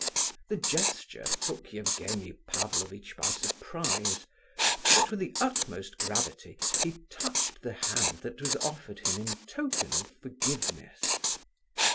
The gesture took Evgenie Pavlovitch by surprise, but with the utmost gravity he touched the hand that was offered him in token of forgiveness.